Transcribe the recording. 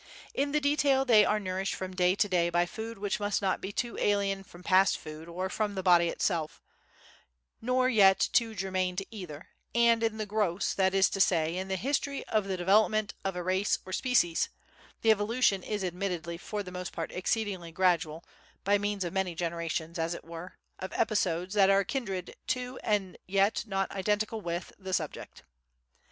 In the detail they are nourished from day to day by food which must not be too alien from past food or from the body itself, nor yet too germane to either; and in the gross, that is to say, in the history of the development of a race or species, the evolution is admittedly for the most part exceedingly gradual, by means of many generations, as it were, of episodes that are kindred to and yet not identical with the subject.